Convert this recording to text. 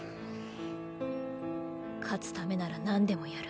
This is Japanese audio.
勝つためならなんでもやる。